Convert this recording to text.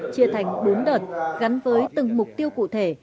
chia thành bốn đợt gắn với từng mục tiêu cụ thể